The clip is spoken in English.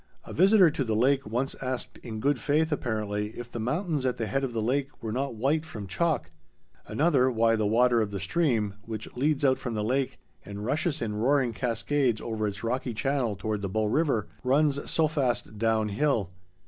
A visitor to the lake once asked in good faith, apparently, if the mountains at the head of the lake were not white from chalk; another, why the water of the stream—which leads out from the lake and rushes in roaring cascades over its rocky channel toward the Bow River—runs so fast down hill.